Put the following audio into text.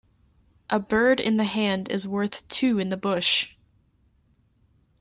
A bird in the hand is worth two in the bush.